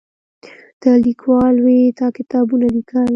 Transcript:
ته لیکوال وې تا کتابونه لیکل.